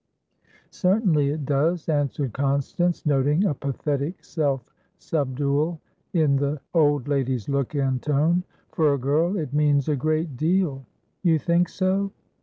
"Certainly it does," answered Constance, noting a pathetic self subdual in the old lady's look and tone. "For a girl, it means a good deal." "You think so?"